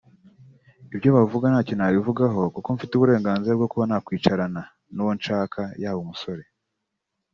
Ibyo bavuga ntacyo nabivugaho kuko mfite uburenganzira bwo kuba nakwicarana n’uwo nshaka yaba umusore